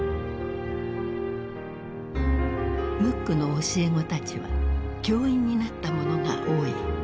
ムックの教え子たちは教員になった者が多い。